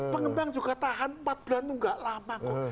pengembang juga tahan empat bulan itu gak lama kok